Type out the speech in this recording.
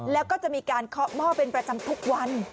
แล้วก็จะมีการเคาะหม้อเป็นประจำทุกวัน